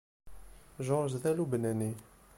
George d Alubnani.